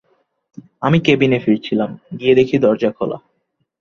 আমি কেবিনে ফিরছিলাম, গিয়ে দেখি দরজা খোলা!